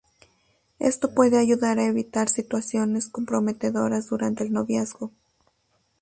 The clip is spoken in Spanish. Esto puede ayudar a evitar situaciones comprometedoras durante el noviazgo.